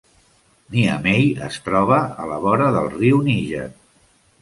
Niamey es troba a la vora del riu Níger.